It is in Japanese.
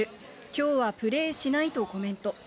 きょうはプレーしないとコメント。